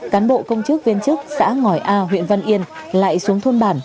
cán bộ công chức viên chức xã ngòi a huyện văn yên lại xuống thôn bản